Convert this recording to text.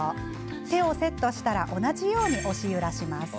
手をセットしたら同じように押し揺らします。